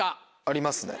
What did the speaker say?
ありますね。